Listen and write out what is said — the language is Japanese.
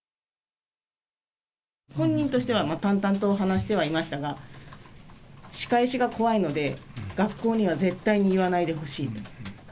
本人としては淡々と話してはいましたが、仕返しが怖いので、学校には絶対に言わないでほしいと。